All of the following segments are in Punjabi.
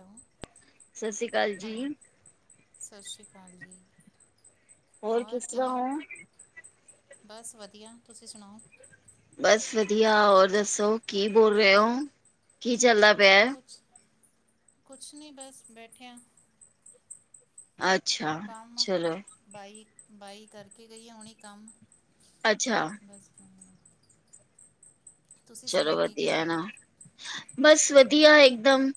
ਹਲੋ। ਸਸੀ ਕਾਲ ਜੀ। ਸ਼ਸ਼੍ਰੀ ਕਾਲ ਜੀ। ਹੋਰ ਔਰ ਕਿਸ ਤਰਾਂ ਕਿਵੇਂ ਹੋ ਓਂ। ਬਸ ਵਦੀਆ ਤੁਸੀ ਸੁਨਾਓ ਬਸ ਵਦੀਆ ਹੋਰ ਦੱਸੋ, ਕੀ ਬੋਲ ਰਏ ਓ ਕੀ ਚੱਲਦਾ ਪੇਆ ਕੁਛ ਕੁਛ ਨੀ ਬਸ ਬੈਠੇਆਂ। ਅੱਛਾ, ਚਲੋ ਬਾਈ ਬਾਈ ਕਰਕੇ ਗਈ ਹੂਣੀ ਕੰਮ, ਅੱਛਾ, ਬਸ ਤੁਸੀਂ ਚਲੋ ਸੁਣਾਓ ਕੀ ਵਦੀਆ ਕਰਦੇ ਨਾ, ਬਸ ਵਦੀਆ ਏਕਦਮ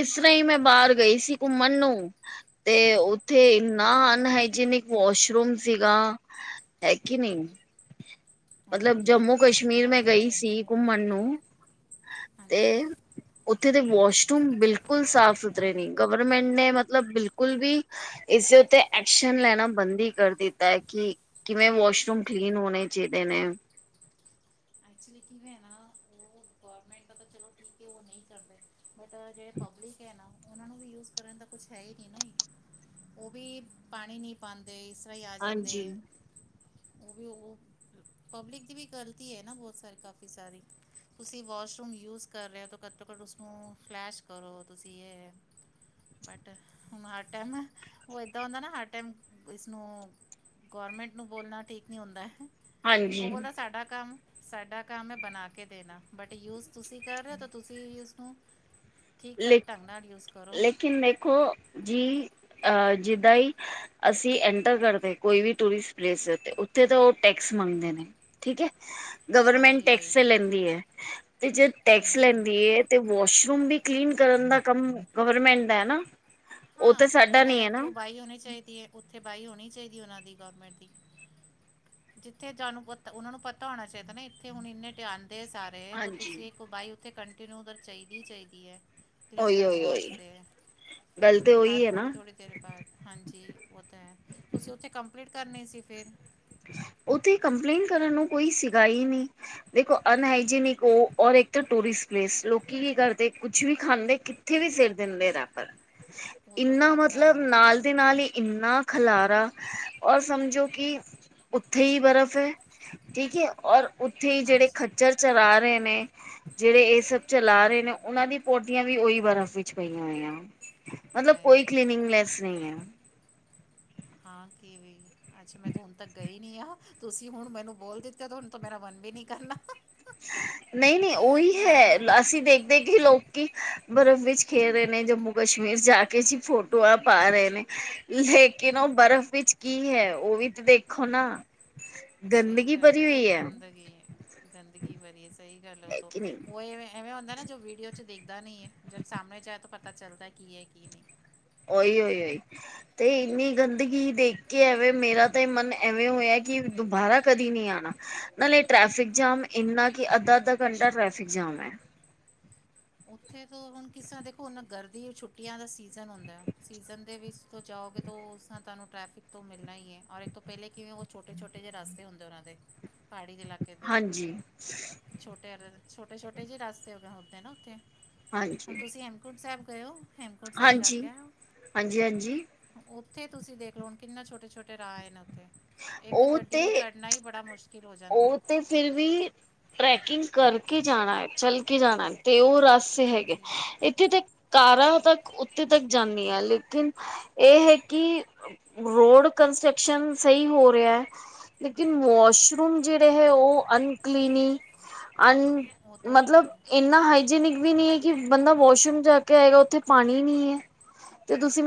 ਏਸ ਤਰਾਂ ਈ ਮੈਂ ਬਾਰ ਗਈ ਸੀ ਘੁੰਮਨ ਨੂੰ ਤੇ ਓਥੇ ਏਨਾ ਅਨਹਾਏਜਿਨ ਇੱਕ ਵੋਸ਼ਰੂਮ ਸੀਗਾ, ਹੈ ਕਿ ਨੀ ਹੋਰ ਮਤਲਬ ਕੀ ਜੰਮੂ ਕਸ਼ਮੀਰ ਮੈਂ ਬਾਹਰ ਗਈ ਦੇ ਸੀ ਘੁੰਮਨ ਨੂੰ ਤੇ ਹਾਂਜੀ ਓਥੇ ਦੇ ਵੋਸ਼ਰੂਮ ਬਿਲਕੁਲ ਸਾਫ ਸੁਥੱਰੇ ਨੇ, ਗਵਰਮੈਂਟ ਏਨੇ ਮਤਲਬ ਬਿਲਕੁਲ ਵੀ ਇਸਦੇ ਉੱਤੇ ਐਕਸ਼ਨ ਲੈਣਾ ਬੰਦ ਈ ਕਰ ਦਿੱਤਾ ਏ ਕਿ ਕਿਵੇਂ ਵੋਸ਼ਰੂਮ ਕਲੀਨ ਹੋਨੇ ਚਾਈਦੇ ਨੇ। ਐਕਚਲੀ ਕਿਵੇਂ ਨਾ ਓ ਗੋਰਮਟ ਦਾ ਚਲੋ ਠੀਕ ਏ ਓ ਨਈ ਕਰਦੇ, ਬਟ ਜੇੜ ਪਬ [unintelligible] ਓਨਾਂ ਨੂੰ ਵੀ ਯੂਜ ਕਰਨ ਦਾ ਕੁਛ ਹੈਈ ਨੀ ਓਵੀ ਪਾਨੀ ਨੀ ਪਾਂਦੇ। [unintelligible] ਜਾਂਦੇ ਹਾਂਜੀ। ਓ ਵੀ ਓ ਪਬਲਿਕ ਦੀ ਵੀ ਗ਼ਲਤੀ ਏ ਨਾ ਬੋਤ ਸਾਰੇ ਕਾਫੀ ਸਾਰੀ ਤੁਸੀ ਵੋਸ਼ਰੂਮ ਯੂਜ ਕਰ ਰੇ ਓ, ਤਾਂ ਘੱਟੋ ਘੱਟ ਉਸਨੂੰ ਫਲੈਸ਼ ਕਰੋ ਤੁਸੀ ਯੇ ਬਟੱ ਹੁਨ ਹਰ ਟੈਮ ਓ ਏਦਾਂ ਹੁੰਦਾ ਨਾ ਹਰ ਟੈਮ ਇਸਨੂੰ ਗੋਰਮੈਂਟ ਨੂੰ ਬੋਲਨਾ ਠੀਕ ਨੀ ਹੁੰਦੈ। ਓ ਹਾਂਜੀ ਬੋਲਦਾ ਸਾਡਾ ਕੰਮ, ਸਾਡਾ ਕੰਮ ਏ ਬਨਾ ਕੇ ਦੇਨਾ ਬਟ ਯੂਜ ਤੁਸੀ ਕਰ ਰੇਓ ਤਾ ਤੁਸੀ ਲੇ, ਯੂਜ਼ ਕਰੋ ਲੇਕਿਨ ਦੇਖੋ ਜੀ। ਅ ਜਿੱਦਾ ਈ ਅਸੀ ਐਂਟਰ ਕਰਦੇ ਕੋਈ ਵੀ ਟੂਰਿਸ ਪਲੇਸ ਦੇ ਉਤੇ ਉਥੇ ਤਾ ਓ ਟੈਕਸ ਮੰਗਦੇ ਨੇ ਹਾਂਜੀ ਠੀਕ ਏ, ਗਵਰਮੈਂਟ ਹਾਂਜੀ ਟੈਕਸ ਉਹੀ ਲੈਂਦੀ ਐ। ਤੇ ਜੇ ਟੈਕਸ ਹੂੰ ਲੈਂਦੀ ਏ ਤੇ ਵੋਸ਼ਰੂਮ ਵੀ ਕਲੀਨ ਕਰਨ ਦਾ ਕੰਮ ਗਵਰਮੈਂਟ ਦਾ ਐ ਨਾ- ਉਹ ਹਾਂ ਤੇ ਓ ਤਾਂ ਸਾਡਾ ਹੈ, ਨੀ ਓਥੇ ਨਾ। ਓ ਬਾਈ ਹੋਨੀ ਚਾਹੀਦੀ ਏ। ਓਥੇ ਬਾਈ ਹੋਣੀ ਚਾਈਦੀ ਓਨਾਂ ਦੀ ਗੋਰਮੈਂਟ ਦੀ ਜਿੱਥੇ ਜਾਨੂ ਪੋਤ ਓਨਾਂ ਨੂੰ ਪਤਾ ਹੋਣਾ ਚਾਈਦਾ ਨਾ ਇੱਥੇ ਹੁਨ ਇੰਨੇ [unintelligible] ਦੇ ਸਾਰੇ ਤ ਹਾਂਜੀ। ਤੁਸੀ ਏਕ ਬਾਈ ਉੱਥੇ ਕੰਟੀਨਿਯੁ ਉਧਰ ਚਈਦੀ, ਚਈਦੀ ਐ। ਕਲੀਨ ਉਹੀ ਉਹੀ ਕਰਨੇ ਉਹੀ ਵਾਸਤੇ, ਗੱਲ ਤੇ ਹਰ ਉਹੀ ਹੈ ਥੋੜੀ, ਨਾ ਥੋੜੀ ਦੇਰ ਬਾਦ, ਹਾਂਜੀ। ਓ ਤਾ ਐ, ਤੁਸੀ ਓਥੇ ਕੰਪਲੀਟ ਕਰਨੀ ਸੀ ਫੇਰ ਓਥੇ ਕੰਪਲੇਂਨ ਕਰਨ ਨੂੰ ਕੋਈ ਸੀਗਾ ਨੀ, ਦੇਖੋ ਅਨਹਈਜੀਨਿਕ ਓ ਓਰ ਏਕ ਟੂਰਿਸ ਪਲੇਸ, ਲੋਕੀ ਕੀ ਕਰਦੇ ਕੁਛ ਵੀ ਖਾਂਦੇ ਕਿੱਥੇ ਵੀ ਸਿਟ ਦਿੰਦੇ ਰੈਫਲ ਉਹ ਤੋਂ ਇੰਨਾ ਬੜਾ ਖ਼ਰਾਬ ਮਤਲਬ ਹੈ ਉਹ ਤੋਂ ਨਾਲ ਹੈ ਦੇ ਨਾਲ ਈ ਇੰਨਾ ਖਲਾ ਬ ਔਰ ਸਮਝੋ ਕਿ ਉੱਥੇ ਈ ਬਰਫ਼ ਐ, ਠੀਕ ਐ ਔਰ ਉੱਥੇ ਈ ਜਿਹੜੇ ਹਾਂਜੀ ਖੱੱਚਰ ਚਲਾ ਰਹੇ ਨੇ, ਜਿਹੜੇ ਇਹ ਸਭ ਚਲਾ ਰਹੇ ਨੇ, ਉਹਨਾਂ ਦੀ ਪੋ ਟੀਆਂ ਵੀ ਉਹੀ ਬਰਫ਼ ਵਿੱਚ ਪਈਆਂ ਹੋਈਆਂ। ਮਤਲਬ ਆਏ ਕੋਈ ਆਏ ਕਲੀਨਿੰਗ ਲੈਸ ਨਹੀਂ ਐ। ਹਾਂ ਕੀ ਵੇ, ਅੱਛਾ ਮੈਂ ਤੇ ਹੁਨ ਤੱਕ ਗਈ ਨੀ ਆ, ਤੁਸੀਂ ਹੁਨ ਮੈਨੂੰ ਬੋਲ ਦਿੱਤਾ ਤ ਹੁਨ ਤਾਂ ਮੇਰਾ ਮਨ ਵੀ ਨੀ ਕਰਨਾ। ਨਈ ਨੀ ਉਹੀ ਹੈ ਜਾਣ ਦਾ ਅਸੀਂ ਦੇਖ ਦੇਖ ਕਿ ਈ ਲੋਕ ਕਿ, ਬਰਫ਼ ਵਿੱਚ ਖੇ ਰਹੇ ਨੇ ਜੰਮੂ ਕਸ਼ਮੀਰ ਜਾ ਕੇ ਜੀ ਫੋਟੋਆਂ ਪਾ ਰਹੇ ਨੇ। ਲੇਕਿਨ ਉਹ ਹਾਂਜੀ ਬਰਫ਼ ਵਿੱਚ ਕੀ ਹੈ ਉਹ ਵੀ ਤੇ ਦੇਖ ਸਹੀ ਗੱਲ ਭਰੀ ਐ। ਹੋਈ ਹੈ ਗੰਦਗੀ ਗੰਦਗੀ [unintelligible] ਸਹੀ ਗੱਲ ਉਹ ਹੈ ਤੋ, ਕਿ ਨਹੀਂ ਉਏ ਐਵ ਐਵੇਂ ਹੁੰਦਾ ਨਾ ਜੋ ਵੀਡੀਓ ਚ ਦੇਖਦਾ ਨਈ ਏ, ਜੋ ਸਾਹਮਣੇ ਜਾਏ ਤਾਂ ਪਤਾ ਚੱਲਦਾ ਕੀ ਐ ਕੀ ਨਹੀਂ। ਓਹੀ, ਓਹੀ, ਓਹੀ ਤੇ ਇੰਨੀ ਗੰਦਗੀ ਦੇਖ ਕੇ ਐਵੇਂ ਮੇਰਾ ਤੇ ਮਨ ਐਵੇਂ ਹੋਇਆ ਕਿ ਦੁਬਾਰਾ ਕਦੀ ਨੀ ਆਨਾ, ਨਾਲੇ ਟ੍ਰੈਫਿਕ ਜਾਮ ਇੰਨਾ ਕਿ ਅੱਧਾ-ਅੱਧਾ ਘੰਟਾ ਟ੍ਰੈਫਿਕ ਜਾ [unintelligible] [inaudible] ਉੱਥੇ ਤੋਂ ਹੁਨ ਕਿਸ ਤਰਾ ਦੇਖੋ ਨਾ ਗਰਦੀ ਛੁੱਟੀਆਂ ਦਾ ਸੀਜ਼ਨ ਹੁੰਦਾਏ, ਸੀਜ਼ਨ ਦੇ ਵਿੱਚ ਤੋ ਜਾਓਗੇ ਤੋ [unintelligible] ਤੁਹਾਨੂੰ ਟ੍ਰੈਫਿਕ ਤੋਂ ਮਿਲਨਾ ਈ ਐ। ਔਰ ਏਕ ਤੋਂ ਪਹਿਲੇ ਕਿਵੇਂ ਉਹ ਛੋਟੇ-ਛੋਟੇ ਜੇ ਰਾਸਤੇ ਹੁੰਦੇ ਉਹਨਾਂ ਦੇ। ਪਹਾੜੀ ਦੇ ਇਲਾਕੇ ਦੇ, ਹਾਂਜੀ ਛੋਟੇ, ਅਰਰ ਛੋਟੇ-ਛੋਟੇ ਜੇ ਰਾਸਤੇ ਹੋ ਗਏ ਹੋਤੇ ਨਾ ਉੱਥੇ। ਹੁਨ ਹਾਂਜੀ ਤੁਸੀਂ ਹੇਮਕੁੰਟ ਸਾਹਿਬ ਗਏ ਹੋ। ਹੇਮਕੁੰਟ ਸਾਹਿਬ ਜਾ ਹਾਂਜੀ, ਕੇ ਆਏ ਹੋ ਹਾਂਜੀ-ਹਾਂਜੀ। ਉੱਥੇ ਤੁਸੀਂ ਦੇਖ ਲੋ ਹੁਨ ਕਿੰਨਾ ਛੋਟੇ-ਛੋਟੇ ਰਾਹਏ ਨੇ ਉੱਥੇ, ਇੱਕ ਉਹ ਗੱਡੀ ਤੇ ਕਰੱਨਾ ਈ ਬੜਾ ਮੁਸ਼ ਉਹ ਤੇ ਫਿਰ ਵੀ ਟ੍ਰੈਕਿੰਗ ਕਰਕੇ ਜਾਨਾਏ, ਚਲ ਕੇ ਜਾਨਾਏ, ਤੇ ਉਹ ਰਾ ਸੇ ਹੈਗੇ, ਹਾਂਜੀ ਇੱਥੇ ਤੇ ਕਾਰਾਂ ਤੱਕ ਉੱਤੇੇ ਤੱਕ ਜਾਂਨੀਆਂ ਲੇਕਿਨ ਏ ਹੈ ਕਿ ਰੋਡ ਕ ਸੈਕਸ਼ਨ ਸਈ ਹੋ ਰਿਹਾ। ਲੇਕਿਨ ਵਾਸ਼ ਹੁਨ ਜਿਹੜੇ ਹੈ ਉਹ ਅਨਕਲੀਨੀ, ਅਨ, ਉਹ ਤਾਂ ਮਤਲਬ ਹੈ ਏਨਾ ਹਾਈ ਜਿਨਕ ਵੀ ਨੀ ਐ ਕਿ ਬੰਦਾ ਵਾਸ਼ਰੂਮ ਜਾ ਕੇ ਆਏਗਾ ਉੱਥੇ ਪਾਨੀ ਨਹੀਂ ਐ। ਤੇ ਤੁਸੀਂ ਮੇ